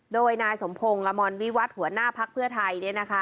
โดยนายสมพงธ์ลามอนวีวัฏหัวหน้าพัครเตือนไทย